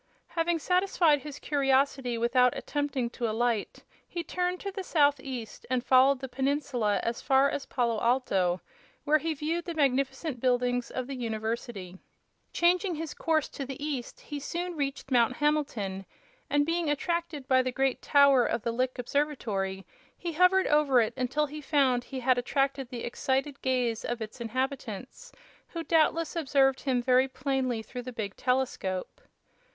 Having satisfied his curiosity without attempting to alight, he turned to the southeast and followed the peninsula as far as Palo Alto, where he viewed the magnificent buildings of the university. Changing his course to the east, he soon reached Mount Hamilton, and, being attracted by the great tower of the Lick Observatory, he hovered over it until he found he had attracted the excited gaze of the inhabitants, who doubtless observed him very plainly through the big telescope.